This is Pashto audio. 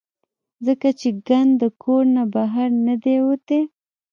ځکه چې ګند د کور نه بهر نۀ دے وتے -